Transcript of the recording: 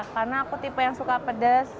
karena aku tipe yang suka pedes